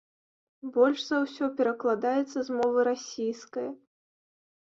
Больш за ўсё перакладаецца з мовы расійскае.